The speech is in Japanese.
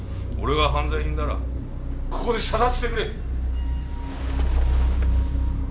俺が犯罪人ならここで射殺してくれ！